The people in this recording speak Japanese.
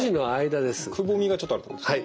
くぼみがちょっとあるところですね。